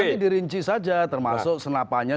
terjadi rinci saja termasuk senapanya